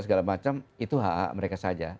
segala macam itu ha'a mereka saja